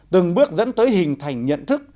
từng bước dẫn tới hình thành nhận thức